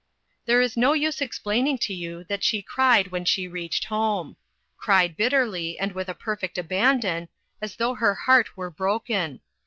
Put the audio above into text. There is no use explaining to you that 360 INTERRUPTED. she cried when she reached home ; cried bitterly, and with a perfect abandon, as though her heart were broken.